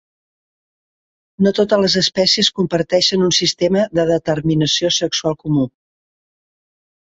No totes les espècies comparteixen un sistema de determinació sexual comú.